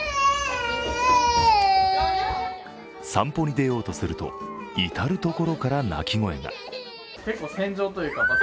散歩に出ようとすると至る所から泣き声が。